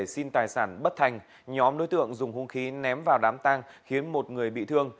xin tài sản bất thành nhóm đối tượng dùng hung khí ném vào đám tang khiến một người bị thương